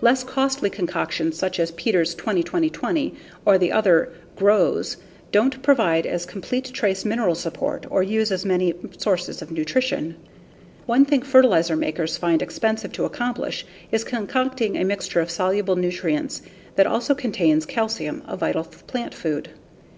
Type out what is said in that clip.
Less costly concoctions such as Peters 20 20 20 or the other "Grows," don't provide as complete trace mineral support or use as many sources of nutrition. One thing fertilizer makers find expensive to accomplish is concocting a mixture of soluble nutrients that also contains calcium, a vital plant food.